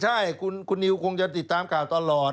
ใช่คุณนิวคงจะติดตามข่าวตลอด